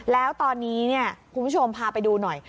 แล้วตอนนี้คุณผู้ชมพาไปดูหน่อย